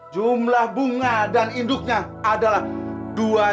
jumlah bunga dan induknya adalah dua dua ratus lima puluh rupiah